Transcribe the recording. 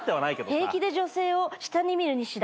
平気で女性を下に見るニシダ。